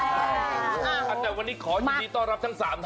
แต่วันนี้ขอยินดีต้อนรับทั้ง๓ท่าน